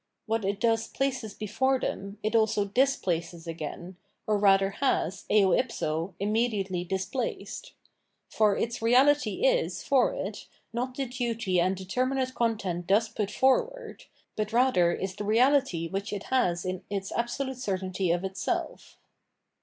What it thus places before them, it also " displaces " again, or rather has, eo ifso, immediately " displaced." For its reality is, for it, not the duty and determinate content thus 660 Phenomenology o f Mind put forward, but rather is the reality which it has in its absolute certainty of itself.